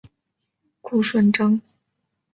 顾顺章。